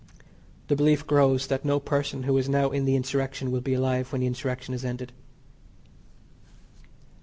The belief grows that no person who is now in the Insurrection will be alive when the Insurrection is ended.